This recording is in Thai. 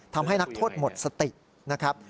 ทำให้นักโทษหมดสตินะครับ